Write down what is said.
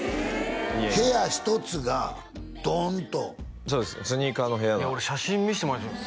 家に部屋１つがドンとそうですスニーカーの部屋が俺写真見せてもらったんですよ